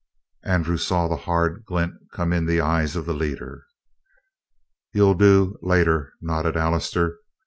Andrew saw that hard glint come in the eyes of the leader. "You'll do later," nodded Allister.